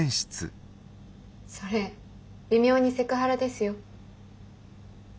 それ微妙にセクハラですよ。